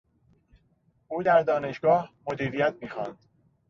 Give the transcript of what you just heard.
او در دانشگاه مدیریت میخواند.